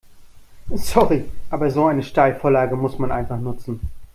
Sorry, aber so eine Steilvorlage muss man einfach nutzen.